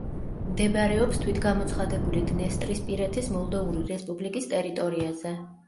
მდებარეობს თვითგამოცხადებული დნესტრისპირეთის მოლდოვური რესპუბლიკის ტერიტორიაზე.